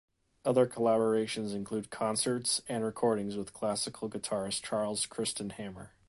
Other collaborations include concerts and recordings with classical guitarist Charles Christian Hammer.